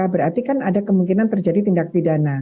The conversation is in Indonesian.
berarti kan ada kemungkinan terjadi tindak pidana